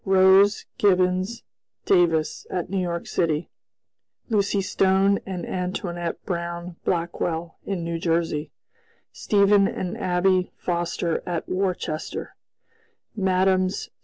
Rose, Gibbons, Davis, at New York city; Lucy Stone and Antoinette Brown Blackwell in New Jersey; Stephen and Abby Foster at Worcester; Mmes.